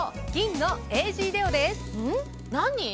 何？